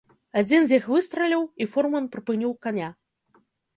Адзін з іх выстраліў, і фурман прыпыніў каня.